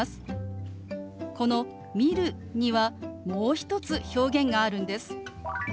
この「見る」にはもう一つ表現があるんです。